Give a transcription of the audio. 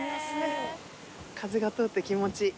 風が通って気持ちいい。